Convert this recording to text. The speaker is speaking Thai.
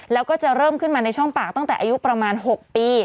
แล้วก็จะเริ่มขึ้นมาในช่องปากตั้งแต่อายุประมาณ๖ปี